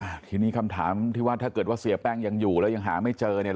ทีนี้คำถามที่ว่าถ้าเกิดว่าเสียแป้งยังอยู่แล้วยังหาไม่เจอเนี่ย